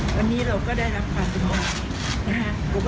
วันนี่เราก็ได้รับความสุภาพนะคะ